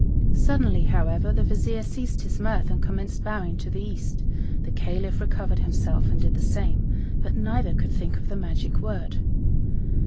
Suddenly, however, the Vizier ceased his mirth, and commenced bowing to the east. The Caliph recovered himself and did the same, but neither could think of the magic word.